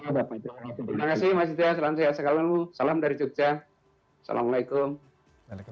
terima kasih mas yuda salam sehat sekali salam dari jogja assalamualaikum